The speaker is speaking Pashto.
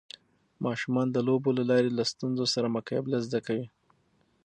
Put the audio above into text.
ماشومان د لوبو له لارې له ستونزو سره مقابله زده کوي.